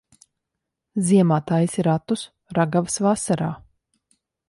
Ziemā taisi ratus, ragavas vasarā.